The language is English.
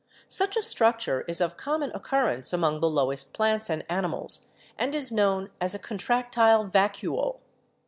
Such a structure is of common occurrence among the lowest plants and animals and is known as a contractile vacuole.